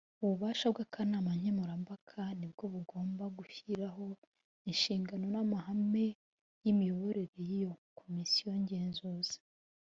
Ububasha bw akanama nkemurampaka nibwo bugomba gushyiraho inshingano n’amahame y’imiyoborere yiyo komisiyo ngenzuzi.